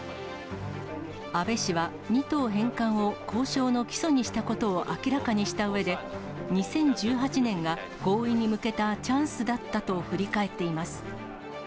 安倍氏は、二島返還を交渉の基礎にしたことを明らかにしたうえで、２０１８年が合意に向けたチャンスだったと振り返っています。